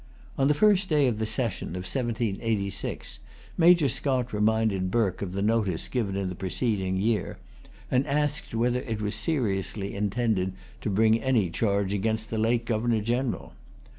On the first day of the session of 1786, Major Scott reminded Burke of the notice given in the preceding year, and asked whether it was seriously intended to bring any charge against the late Governor General.